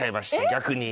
逆に。